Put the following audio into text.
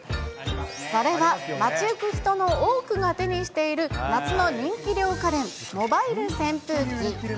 それは街行く人の多くが手にしている、夏の人気涼家電、モバイル扇風機。